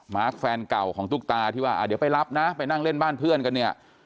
แฟนเก่าของตุ๊กตาที่ว่าเดี๋ยวไปรับนะไปนั่งเล่นบ้านเพื่อนกันเนี่ย